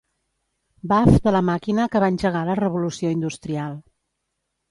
Baf de la màquina que va engegar la revolució industrial.